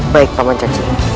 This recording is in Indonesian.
baik paman caci